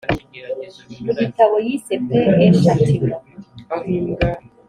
mu gitabo yise paix et châtiment.